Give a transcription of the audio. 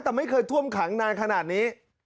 แต่ไม่เคยท่วมขังนานขนาดนี้